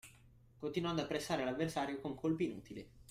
Continuando a pressare l’avversario con colpi inutili